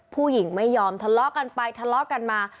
ผู้หญิงไม่ยอมทะเลาะกันไปทะเลาะกันมา